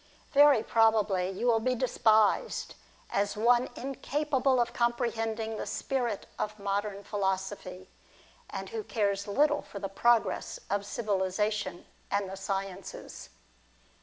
Very probably you will be despised as one incapable of comprehending the spirit of modern philo sophy, and who cares little for the progress of civilisation and the sciences.